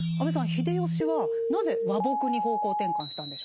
秀吉はなぜ和睦に方向転換したんでしょうか。